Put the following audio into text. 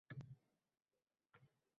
Uni tugatib, institutga kiraman